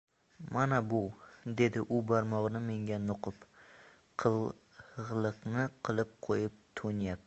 — Mana bu, — dedi u barmog‘ini menga nuqib, — qilg‘iliqni qilib qo‘yib, tonyapti.